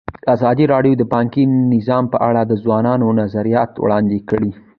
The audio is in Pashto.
ازادي راډیو د بانکي نظام په اړه د ځوانانو نظریات وړاندې کړي.